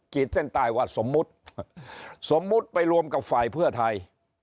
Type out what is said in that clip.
เส้นใต้ว่าสมมุติสมมุติไปรวมกับฝ่ายเพื่อไทย